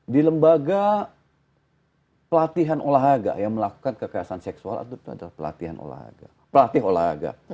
di lembaga pelatihan olahraga yang melakukan kekerasan seksual itu adalah pelatihan olahraga pelatih olahraga